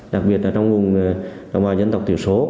đặc biệt là trong vùng đồng bào dân tộc tiểu số